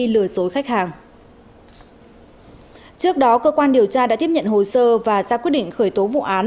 lừa dối khách hàng trước đó cơ quan điều tra đã tiếp nhận hồ sơ và ra quyết định khởi tố vụ án